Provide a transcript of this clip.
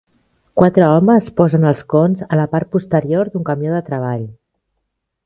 Quatre homes posen els cons a la part posterior d'un camió de treball